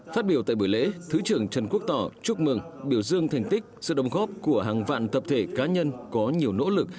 phát biểu tại buổi lễ thứ trưởng trần quốc tỏ chúc mừng biểu dương thành tích sự đồng góp của hàng vạn tập thể cá nhân có nhiều nỗ lực